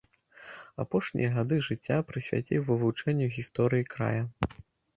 Апошнія гады жыцця прысвяціў вывучэнню гісторыі края.